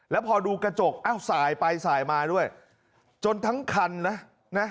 แล้วพอดูกระจกอ้าวสายไปสายมาด้วยจนทั้งคันนะนะ